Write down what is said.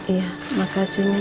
iya makasih min